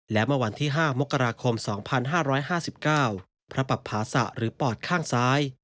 และเมื่อวันที่ห้ามกราคมสองพันห้าร้อยห้าสิบเก้าพระปรับภาษะหรือปอดข้างซ้าย